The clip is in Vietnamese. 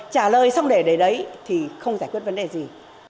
trả lời xong để đấy thì không giải quyết vấn đề gì